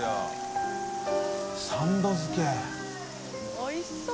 おいしそう！